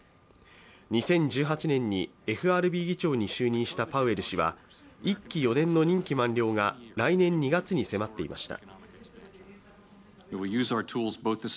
２０１８年にＦＲＢ議長に就任したパウエル氏は１期４年の任期満了が来年２月に迫っていました。